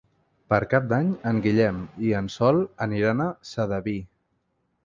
Per Cap d'Any en Guillem i en Sol aniran a Sedaví.